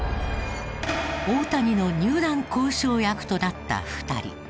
大谷の入団交渉役となった２人。